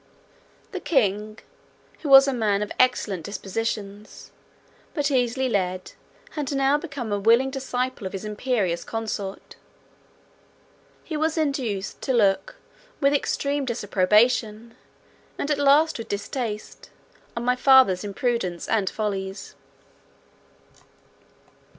The king, who was a man of excellent dispositions, but easily led, had now become a willing disciple of his imperious consort. He was induced to look with extreme disapprobation, and at last with distaste, on my father's imprudence and follies.